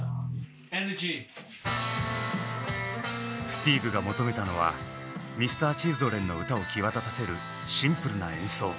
スティーヴが求めたのはＭｒ．Ｃｈｉｌｄｒｅｎの歌を際立たせるシンプルな演奏。